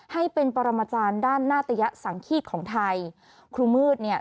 ให้เป็นปรมาจารย์ด้านหน้าตยสังขีดของไทยครูมืดเนี่ย